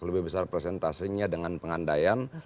lebih besar presentasenya dengan pengandaian